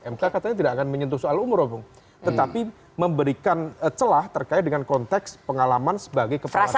mk katanya tidak akan menyentuh soal umur opung tetapi memberikan celah terkait dengan konteks pengalaman sebagai kepala daerah